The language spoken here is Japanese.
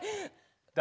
誰？